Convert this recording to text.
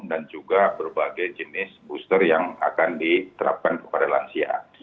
dan juga berbagai jenis booster yang akan diterapkan kepada lansia